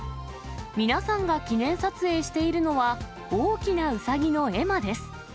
皆さんが記念撮影しているのは、大きなうさぎの絵馬です。